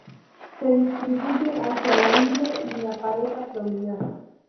Se distribuye hacia la ingle y la "pared abdominal".